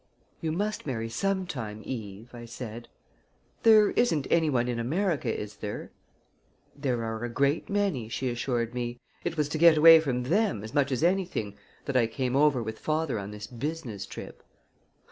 "You must marry sometime. Eve," I said. "There isn't any one in America, is there?" "There are a great many," she assured me. "It was to get away from them, as much as anything, that I came over with father on this business trip."